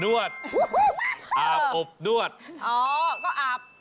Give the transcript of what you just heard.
แล้วทำแล้วนวดนวดอ๋อก็อาบอาบนะ